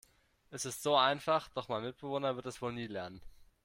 Es ist so einfach, doch mein Mitbewohner wird es wohl nie lernen.